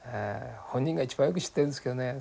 本人が一番よく知ってるんですけどね。